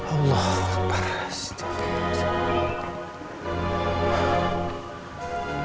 allah akbar astagfirullahaladzim